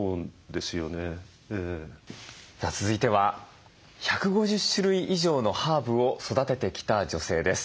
さあ続いては１５０種類以上のハーブを育ててきた女性です。